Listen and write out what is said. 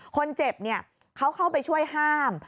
คนเจ็บเขาเข้าไปช่วยห้าม